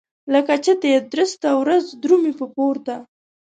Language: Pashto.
لکه چتي درسته ورځ درومي په پورته.